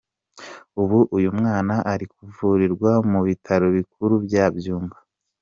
Ubu uyu mwana ari kuvurirwa mu bitaro bikuru bya Byumba.